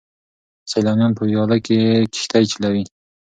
سیلانیان په ویاله کې کښتۍ چلوي.